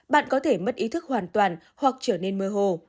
bạn có thể mất ý thức hoàn toàn hoặc trở nên mơ hồ